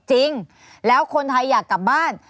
จริงแล้วคนไทยอยากกลับบ้าน